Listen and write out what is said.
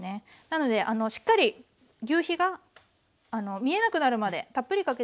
なのでしっかりぎゅうひが見えなくなるまでたっぷりかけて下さい。